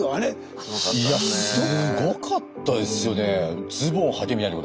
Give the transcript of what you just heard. いやすごかったですよね。